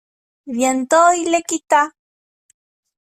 Bientôt il les quitta.